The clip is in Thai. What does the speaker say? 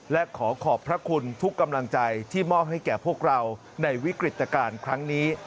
และขอขอบพระคุณทุกกำลังใจที่มอบให้แก่พวกเราในวิกฤตการณ์ครั้งนี้